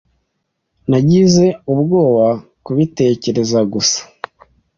Nagize ubwoba kubitekereza gusa.